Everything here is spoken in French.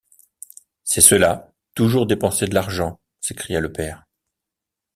C’est cela: toujours dépenser de l’argent, s’écria le père.